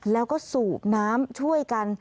แล้วก็สูบน้ำช่วยกัน